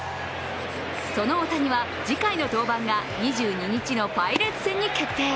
その大谷は、次回の登板が２２日のパイレーツ戦に決定。